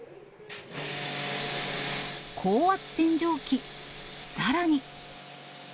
高圧洗浄機、さらに。